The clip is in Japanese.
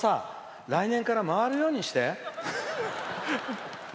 来年から回るようにして。